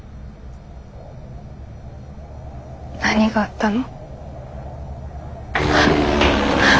何があったの？